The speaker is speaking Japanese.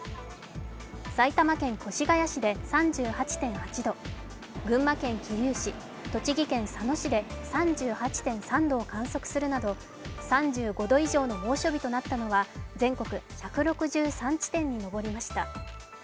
埼玉県越谷市で３８．８度群馬県桐生市、栃木県佐野市で３８．３度を観測するなど３５度以上の猛暑日となったのは全国１６３地点に上りました。